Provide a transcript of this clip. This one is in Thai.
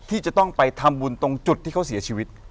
ที่จะต้องไปทำบุญตรงจุดที่เขาเสียชีวิต